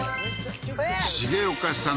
重岡さん